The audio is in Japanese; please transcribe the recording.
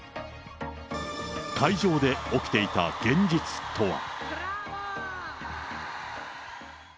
会場で起きていた現実とは。